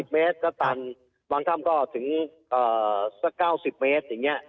เมตรก็ตันบางถ้ำก็ถึงสัก๙๐เมตรอย่างนี้